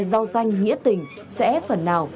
giao danh nghĩa tình sẽ phần nào